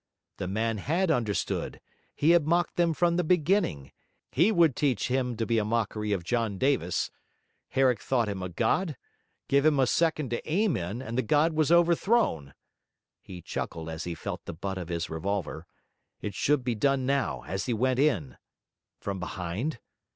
The man had understood, he had mocked them from the beginning; he would teach him to make a mockery of John Davis! Herrick thought him a god; give him a second to aim in, and the god was overthrown. He chuckled as he felt the butt of his revolver. It should be done now, as he went in. From behind?